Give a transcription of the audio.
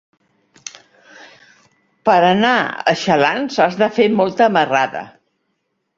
Per anar a Xalans has de fer molta marrada.